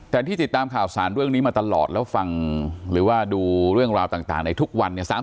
แต่ที่ติดตามข่าวสารเรื่องนี้มาตลอดแล้วฟังหรือว่าดูเรื่องราวต่างในทุกวันเนี่ย